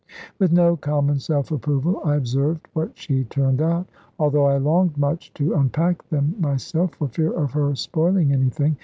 With no common self approval, I observed what she turned out; although I longed much to unpack them myself, for fear of her spoiling anything.